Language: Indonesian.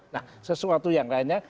nah sesuatu yang lainnya